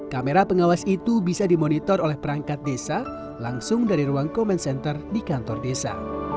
kamera pengawas itu bisa dimonitor oleh perangkat desa langsung dari ruang comment center di kantor desa